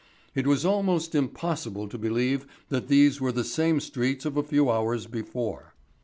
It was almost impossible to believe that these were the same streets of a few hours before.